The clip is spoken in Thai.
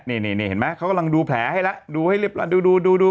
นี่เห็นไหมเขากำลังดูแผลให้แล้วดูให้เรียบร้อยดูดู